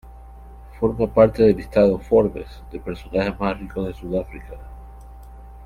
Forma parte del listado Forbes de personajes más ricos de Sudáfrica.